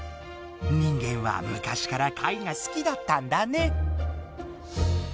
人間は昔から貝が好きだったんだね。